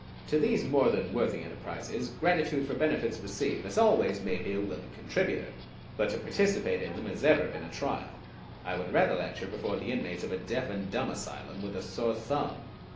To these more than worthy enterprises gratitude for benefits received has always made me a willing contributor; but to participate in them has ever been a trial. I would rather lecture before the inmates of a deaf and dumb asylum with a sore thumb.